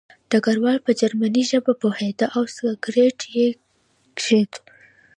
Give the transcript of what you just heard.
ډګروال په جرمني ژبه پوهېده او سګرټ یې کېښود